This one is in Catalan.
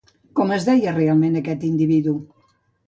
Com es deia realment, aquest individu?